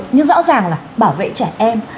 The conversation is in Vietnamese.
nhưng rõ ràng là bảo vệ trẻ em